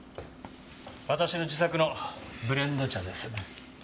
私の自作のブレンド茶です。